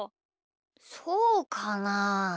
そうかな？